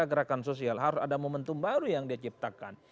kegerakan sosial harus ada momentum baru yang diciptakan